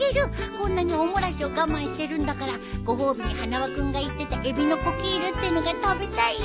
こんなにお漏らしを我慢してるんだからご褒美に花輪君が言ってたエビのコキールってのが食べたいよ。